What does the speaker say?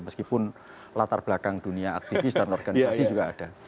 meskipun latar belakang dunia aktivis dan organisasi juga ada